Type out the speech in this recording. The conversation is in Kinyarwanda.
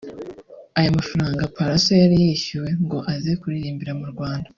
Aya mafaranga Pallaso yari yishyuwe ngo aze kuririmbira mu Rwanda